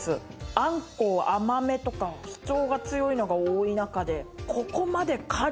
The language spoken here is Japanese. あんこ甘めとか主張が強いのが多い中で。